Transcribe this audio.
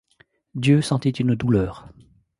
Dieu sentit une douleur.